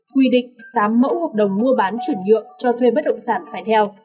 quy định tám mẫu hợp đồng mua bán chuẩn dựa cho thuê bất động sản phải theo